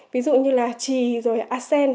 ví dụ như là trì rồi là acen